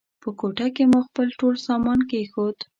په کوټه کې مو خپل ټول سامان کېښود.